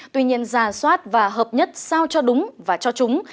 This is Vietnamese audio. tuy nhiên giả soát và hợp nhất sao cho đúng và cho chúng